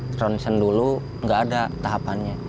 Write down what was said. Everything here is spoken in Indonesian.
transon dulu nggak ada tahapannya